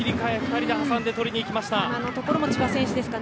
２人で挟んでとりにいきました。